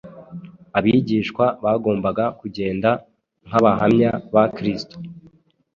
Abigishwa bagombaga kugenda nk’abahamya ba Kristo,